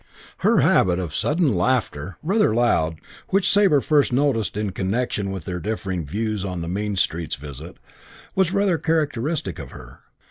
Her habit of sudden laughter, rather loud, which Sabre first noticed in connection with their differing views on the mean streets visit, was rather characteristic of her.